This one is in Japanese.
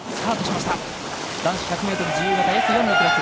男子１００ｍ自由形Ｓ４のクラス。